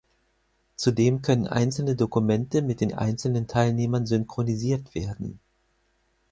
Zudem können einzelne Dokumente mit den einzelnen Teilnehmern synchronisiert werden.